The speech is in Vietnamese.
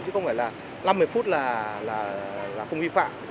chứ không phải là năm mươi phút là không vi phạm